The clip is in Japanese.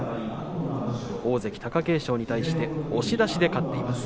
大関貴景勝に対して押し出しで勝っています。